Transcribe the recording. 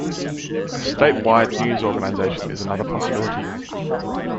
A state wide news organization is another possibility.